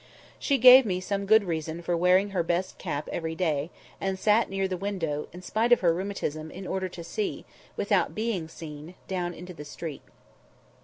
She gave me some good reason for wearing her best cap every day, and sat near the window, in spite of her rheumatism, in order to see, without being seen, down into the street.